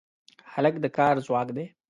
هلک د کار ځواک دی.